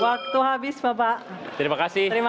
waktu habis bapak